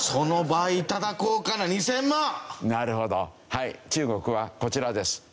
はい中国はこちらです。